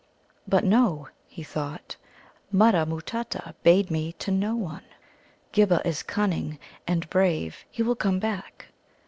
"But no," he thought, "Mutta matutta bade me 'to no one.' Ghibba is cunning and brave; he will come back."